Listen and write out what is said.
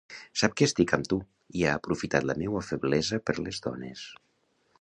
Sap que estic amb tu i ha aprofitat la meua feblesa per les dones...